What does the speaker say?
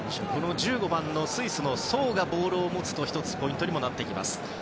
１５番のスイスのソウがボールを持つと１つ、ポイントになってきます。